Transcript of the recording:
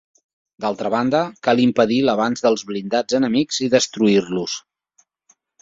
D'altra banda, cal impedir l'avanç dels blindats enemics i destruir-los.